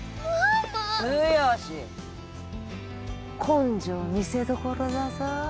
根性見せどころだぞ